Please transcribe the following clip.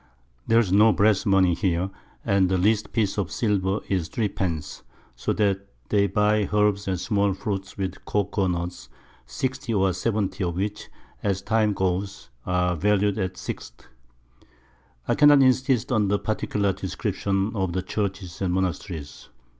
There's no Brass Money here, and the least Piece of Silver is Three pence; so that they buy Herbs and small Fruit with Cocoa Nuts, 60 or 70 of which, as the Time goes, are valu'd at 6_d._ I cannot insist on the particular Description of the Churches and Monasteries.